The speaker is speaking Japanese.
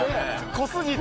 濃すぎて。